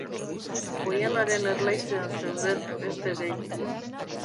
Oihanaren erlaitzean zeuden, beste behin.